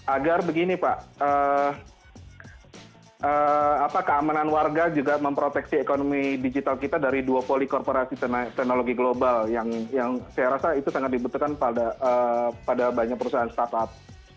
agar begini pak keamanan warga juga memproteksi ekonomi digital kita dari duopoli korporasi teknologi global yang saya rasa itu sangat dibutuhkan pada banyak perusahaan startup